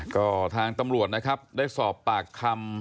ก็ทางตำรวจนะครับได้สอบปากคำ